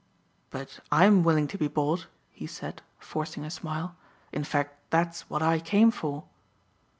"But I'm willing to be bought," he said, forcing a smile. "In fact that's what I came for."